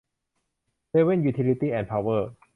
เซเว่น ยูทิลิตี้ส์ แอนด์ พาวเวอร์